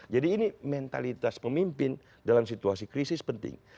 ini mentalitas pemimpin dalam situasi krisis penting